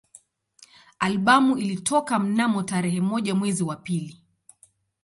Albamu ilitoka mnamo tarehe moja mwezi wa pili